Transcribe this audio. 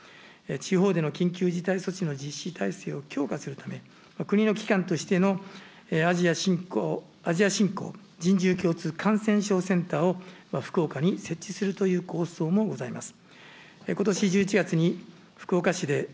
地方での緊急事態体制を強化するため、国の機関としてのアジア振興、人獣共通感染症センターを福岡に設置するという構想もございます。